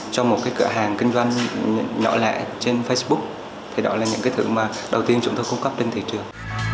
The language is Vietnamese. trong một cửa hàng kinh doanh nhỏ lạ trên facebook đó là những cái thưởng đầu tiên chúng tôi cung cấp trên thị trường